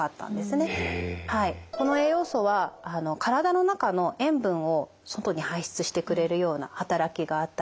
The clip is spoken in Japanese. この栄養素は体の中の塩分を外に排出してくれるような働きがあったり。